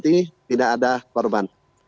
tapi tidak ada korban